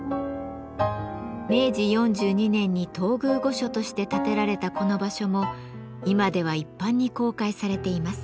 明治４２年に東宮御所として建てられたこの場所も今では一般に公開されています。